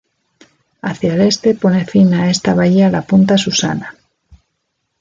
Hacia el este pone fin a esta bahía la punta Susana.